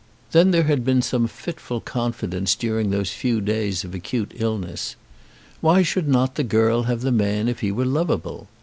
Then there had been some fitful confidence during those few days of acute illness. Why should not the girl have the man if he were lovable?